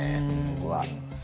そこは。